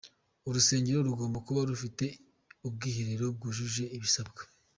Urusengero rugomba kuba rufite ubwiherero bwujuje ibisabwa.